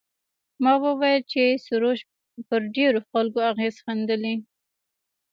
ما وویل چې سروش پر ډېرو خلکو اغېز ښندلی.